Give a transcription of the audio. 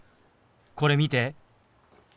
これ見て。